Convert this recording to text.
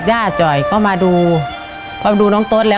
ก็ยังดีว่ามีคนมาดูแลน้องเติร์ดให้